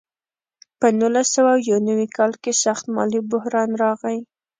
په نولس سوه یو نوي کال کې سخت مالي بحران راغی.